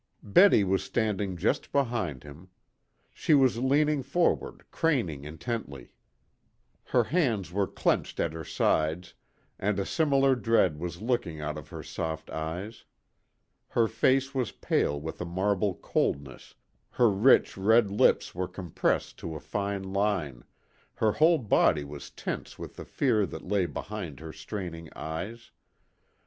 Betty was standing just behind him. She was leaning forward craning intently. Her hands were clenched at her sides, and a similar dread was looking out of her soft eyes. Her face was pale with a marble coldness, her rich red lips were compressed to a fine line, her whole body was tense with the fear that lay behind her straining eyes.